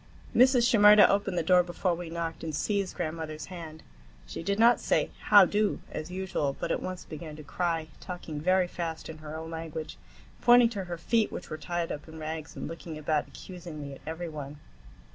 Mrs. Shimerda opened the door before we knocked and seized grandmother's hand. She did not say "How do!" as usual, but at once began to cry, talking very fast in her own language, pointing to her feet which were tied up in rags, and looking about accusingly at every one.